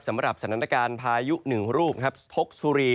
สำหรับสถานการณ์พายุหนึ่งรูปครับพกสุรี